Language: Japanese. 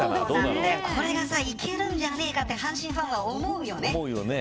これはいけるんじゃねえかと阪神ファンは思うよね。